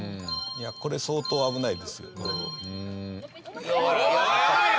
いやこれ相当危ないですよこれ。